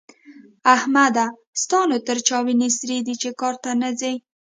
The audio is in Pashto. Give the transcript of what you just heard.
احمده! ستا نو تر چا وينې سرې دي چې کار ته نه ځې؟